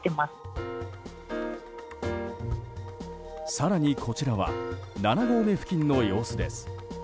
更にこちらは７合目付近の様子です。